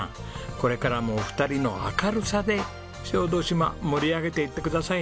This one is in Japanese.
これからもお二人の明るさで小豆島盛り上げていってくださいね。